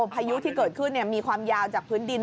พายุที่เกิดขึ้นมีความยาวจากพื้นดิน